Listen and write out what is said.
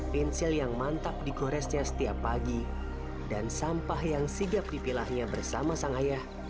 pensil yang mantap digoresnya setiap pagi dan sampah yang sigap dipilahnya bersama sang ayah